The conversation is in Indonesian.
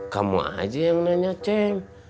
kamu aja yang nanya cem